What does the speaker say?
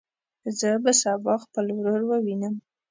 زه به سبا خپل ورور ووینم.